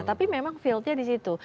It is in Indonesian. tapi memang fieldnya disitu